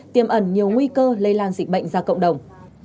tiêm ẩn nhiều nguy cơ lây lan dịch bệnh ra cộng đồng